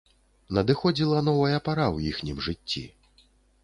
Надыходзіла новая пара ў іхнім жыцці.